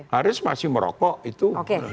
harus masih merokok itu